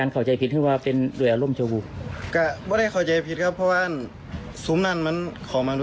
เขาทำร่ายร่างกายผมก่อนนะครับ